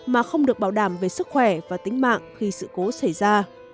mà không được bảo đảm về sức khỏe và tính mạng khi sự cố xảy ra